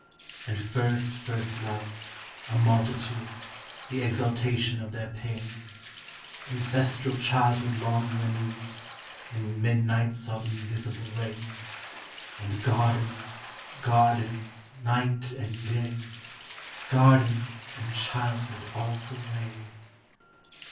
And first first loves, a multitude, The exaltation of their pain; Ancestral childhood long renewed; And midnights of invisible rain; And gardens, gardens, night and day, Gardens and childhood all the way.